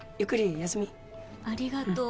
ありがとう。